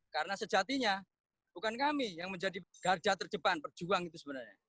karena sejatinya bukan kami yang menjadi garda terdepan perjuang itu sebenarnya